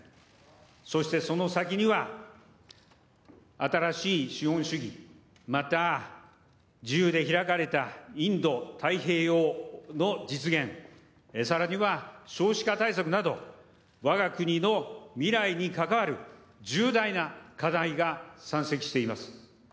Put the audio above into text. そしてその先には、新しい資本主義、また自由で開かれたインド太平洋の実現、さらには、少子化対策など、わが国の未来に関わる重大な課題が山積しています。